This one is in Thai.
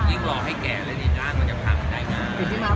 ยิ่งรอให้แก่แล้วยังร่างมือมันจะพักใน